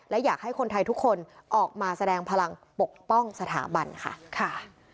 และอยากให้คนไทยทุกคนออกมาแสดงพลังปกป้องสถาบันค่ะ